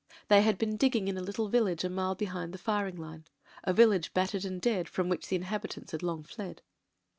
They had been digging in a little village a mile behind the firing line — ^a village battered and dead from which the in habitants had long since fled.